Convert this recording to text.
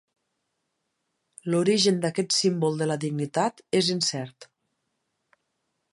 L'origen d'aquest símbol de la dignitat és incert.